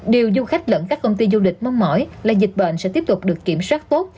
điều du khách lẫn các công ty du lịch mong mỏi là dịch bệnh sẽ tiếp tục được kiểm soát tốt